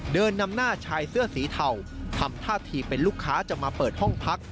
เดินนำหน้าชายเสื้อสีเทาทำท่าทีเป็นลูกค้าจะมาเปิดห้องพัก